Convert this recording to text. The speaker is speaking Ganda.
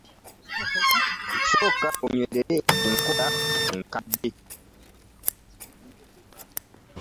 Sooka onywerere ku nkola enkadde.